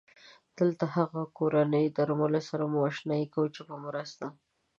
دلته هغه کورني درملو سره مو اشنا کوو چې په مرسته